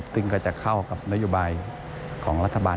ซึ่งก็จะเข้ากับนโยบายของรัฐบาล